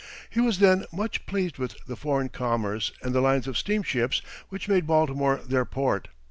He was then much pleased with the foreign commerce and the lines of steamships which made Baltimore their port.